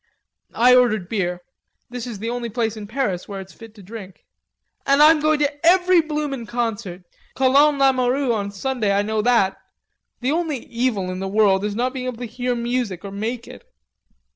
I ordered beer. This is the only place in Paris where it's fit to drink." "And I'm going to every blooming concert...Colonne Lamoureux on Sunday, I know that.... The only evil in the world is not to be able to hear music or to make it....